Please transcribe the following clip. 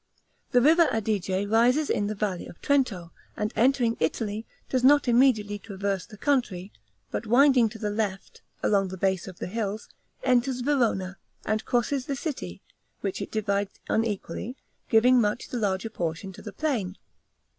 The river Adige rises in the valley of Trento, and entering Italy, does not immediately traverse the country, but winding to the left, along the base of the hills, enters Verona, and crosses the city, which it divides unequally, giving much the larger portion to the plain.